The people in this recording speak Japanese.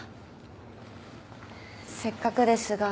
せっかくですが。